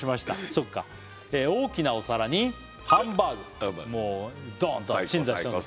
そっか大きなお皿にハンバーグもうドーンと鎮座してます